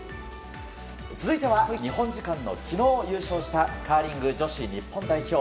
続いては日本時間の昨日優勝したカーリング女子日本代表。